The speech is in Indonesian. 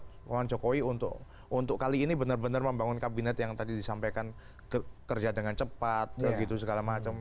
membangun jokowi untuk kali ini benar benar membangun kabinet yang tadi disampaikan kerja dengan cepat segala macam